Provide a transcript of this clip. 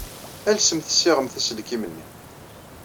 Alsemt ssiɣemt aselkim-nni.